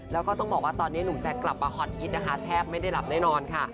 แล้วก็ต้องบอกว่าตอนนี้หนุ่มแซคกลับมาฮอตฮิตนะคะแทบไม่ได้หลับแน่นอนค่ะ